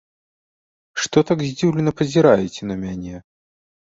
Што так здзіўлена пазіраеце на мяне?